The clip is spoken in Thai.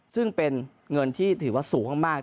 ซึ่งเป็นเงินที่ถือว่าสูงมาก